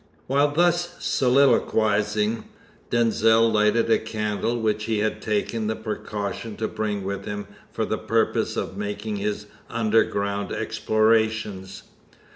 While thus soliloquising, Denzil lighted a candle which he had taken the precaution to bring with him for the purpose of making his underground explorations.